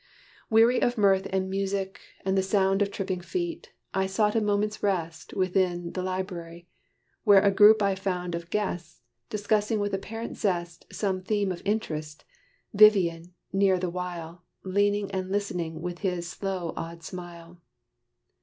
Weary of mirth and music, and the sound Of tripping feet, I sought a moment's rest Within the lib'ry, where a group I found Of guests, discussing with apparent zest Some theme of interest Vivian, near the while, Leaning and listening with his slow odd smile.